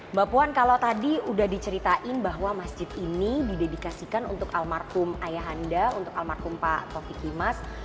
mbak puan kalau tadi udah diceritain bahwa masjid ini didedikasikan untuk almarhum ayahanda untuk almarhum pak ataufik kimas